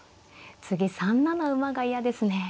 次３七馬が嫌ですね。